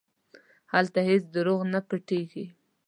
هلته هېڅ دروغ نه پټېږي.